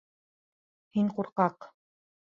— Һин ҡурҡаҡ.